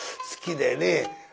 好きでね。